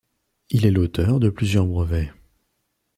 Il est l'auteur de plusieurs brevets.